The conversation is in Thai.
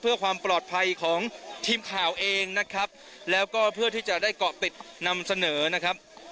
เพื่อความปลอดภัยของทีมข่าวเองนะครับแล้วก็เพื่อที่จะได้เกาะติดนำเสนอนะครับ